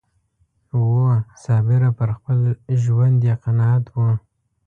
وو صابره پر خپل ژوند یې قناعت و